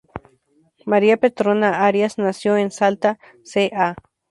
María Petrona Arias nació en Salta, ca.